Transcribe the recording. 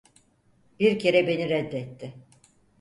Bir kere beni reddetti.